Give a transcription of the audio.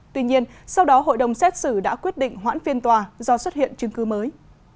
tuy nhiên sau đó hội đồng xét xử đã quyết định hoãn phiên tòa do xuất hiện chứng cư mới